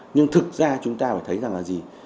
nhưng thực ra chúng ta phải thấy rằng là gì